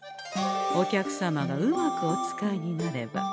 お客様がうまくお使いになれば。